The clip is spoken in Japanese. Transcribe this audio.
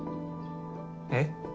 えっ？